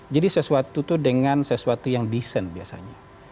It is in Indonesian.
jadi sesuatu itu dengan sesuatu yang decent biasanya